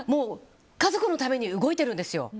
家族のために動いてるんですよ。